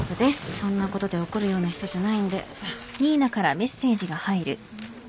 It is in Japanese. そんなことで怒るような人じゃないんで。